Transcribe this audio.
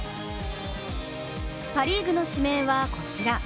パ・リーグの指名はこちら。